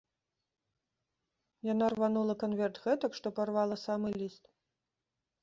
Яна рванула канверт гэтак, што парвала самы ліст.